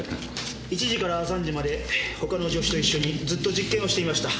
１時から３時まで他の助手と一緒にずっと実験をしていました。